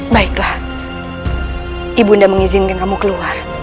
baiklah ibunda mengizinkan kamu keluar